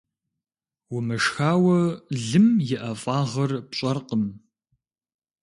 Умышхауэ, лым и ӀэфӀагъыр пщӀэркъым.